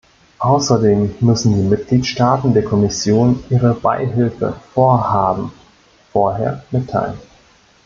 Außerdem müssen die Mitgliedstaaten der Kommission ihre Beihilfevorhaben vorher mitteilen.